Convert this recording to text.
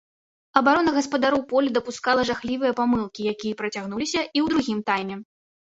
Абарона гаспадароў поля дапускала жахлівыя памылкі, якія працягнуліся і ў другім тайме.